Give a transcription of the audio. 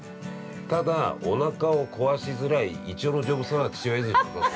ただ、おなかを壊しづらい胃腸の丈夫さは父親譲りだぞと。